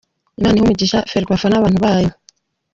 Imana ihe umugisha Ferwafa n’abantu bayo.